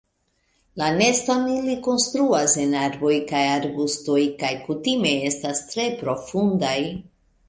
La neston ili konstruas en arboj kaj arbustoj kaj kutime estas tre profundaj.